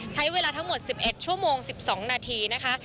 ใช้เวลาทั้งหมด๑๑ชั่วโมง๑๒นาทีนะคะ